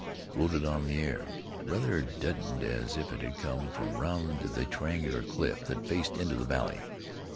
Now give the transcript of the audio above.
floated on the air, rather deadened as if it had come from round the triangular cliff that faced into the valley.